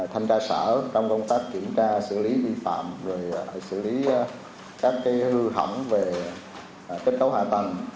thanh tra sở trong công tác kiểm tra xử lý vi phạm xử lý các hư hỏng về kết cấu hạ tầng